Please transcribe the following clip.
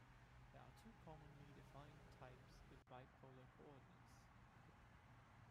There are two commonly defined types of bipolar coordinates.